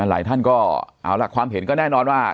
หลายท่านก็เอาล่ะความเห็นก็แน่นอนว่า